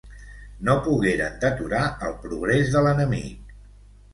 No pogueren deturar el progrés de l'enemic.